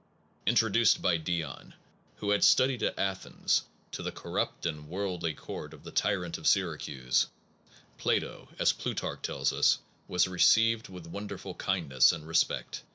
Introduced by Dion, who had studied at Athens, to the corrupt and worldly court of the tyrant of Syracuse, Plato, as Plutarch tells us, was received with won derful kindness and respect.